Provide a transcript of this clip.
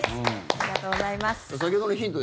ありがとうございます。